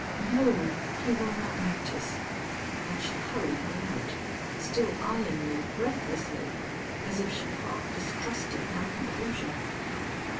"No. He will not notice." And she hurried me out, still eying me breathlessly as if she half distrusted my composure.